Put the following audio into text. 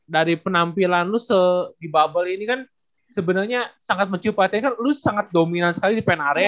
dari penampilan lo di bubble ini kan sebenarnya sangat mencium pelatih kan lu sangat dominan sekali di pen area